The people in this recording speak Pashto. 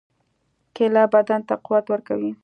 کېله بدن ته قوت ورکوي.